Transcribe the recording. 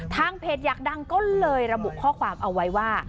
เพจอยากดังก็เลยระบุข้อความเอาไว้ว่า